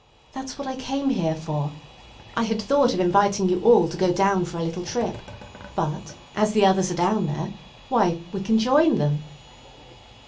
That's what I came here for. I had thought of inviting you all to go down for a little trip; but, as the others are down there, why, we can join them."